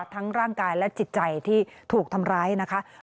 ทั้งร่างกายและจิตใจที่ถูกทำร้ายนะคะ